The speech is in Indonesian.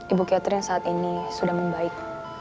ibu catherine saat ini sudah membaik